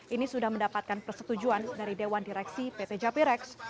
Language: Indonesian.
ini sudah mendapatkan persetujuan dari dewan direksi pt japirex